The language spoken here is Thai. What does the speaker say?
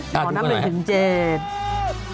อ๋อนับ๑๗